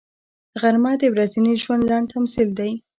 غرمه د ورځني ژوند لنډ تمثیل دی